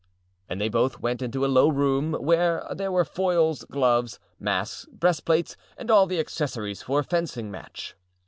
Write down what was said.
And they both went into a low room where there were foils, gloves, masks, breastplates, and all the accessories for a fencing match.